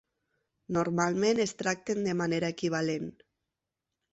Normalment es tracten de manera equivalent.